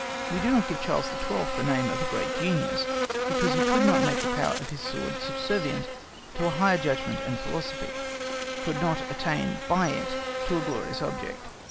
We do not give Charles XII. the name of a great genius, because he could not make the power of his sword subservient to a higher judgment and philosophy—could not attain by it to a glorious object.